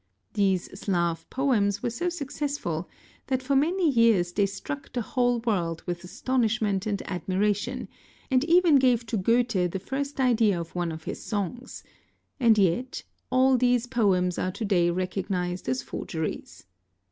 These Slav poems were so successful that for many vears they struck the whole world with astonishment and admiration, and even gave to Goethe the first idea of one of his songs, and yet all these poems are to day recognised as forgeries.